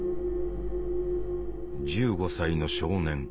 １５歳の少年。